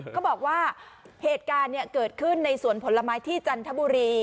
เขาบอกว่าเหตุการณ์เกิดขึ้นในสวนผลไม้ที่จันทบุรี